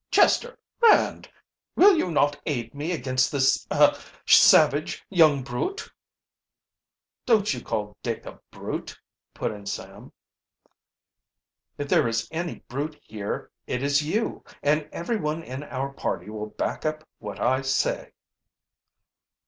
"Chester Rand will you not aid me against this er savage young brute?" "Don't you call Dick a brute," put in Sam. "If there is any brute here it is you, and everyone in our party will back up what I say."